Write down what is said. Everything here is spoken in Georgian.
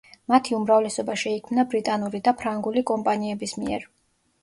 მათი უმრავლესობა შეიქმნა ბრიტანული და ფრანგული კომპანიების მიერ.